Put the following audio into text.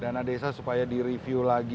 dana desa supaya direview lagi